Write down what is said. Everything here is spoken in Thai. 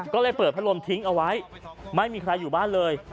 ก็เลยเปิดพัดลมทิ้งเอาไว้ไม่มีใครอยู่บ้านเลย